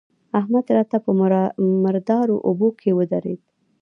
احمد راته په مردارو اوبو کې ودرېد.